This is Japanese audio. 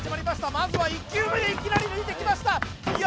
まずは１球目でいきなり抜いてきましたいや